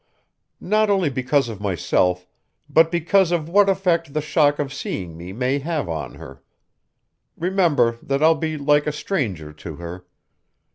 Not only because of myself, but because of what effect the shock of seeing me may have on her. Remember that I'll be like a stranger to her.